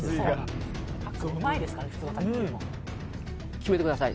決めてください。